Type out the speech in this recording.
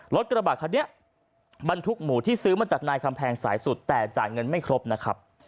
รถกระบะคันนี้บรรทุกหมูที่ซื้อมาจากนายคำแพงสายสุดแต่จ่ายเงินไม่ครบนะครับ